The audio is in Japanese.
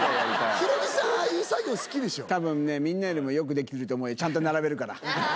ヒロミさん、ああいう作業、たぶんね、みんなよりもよくできると思うよ、ちゃんと並べるから。